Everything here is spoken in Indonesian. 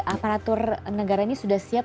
aparatur negara ini sudah siap